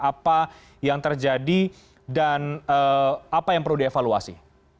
apa yang terjadi dan apa yang perlu dievaluasi